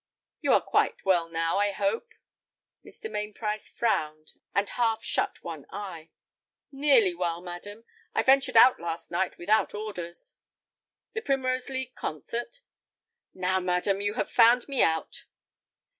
"You are quite well now, I hope?" Mr. Mainprice frowned, and half shut one eye. "Nearly well, madam. I ventured out last night without orders." "The Primrose League Concert?" "Now, madam, you have found me out!"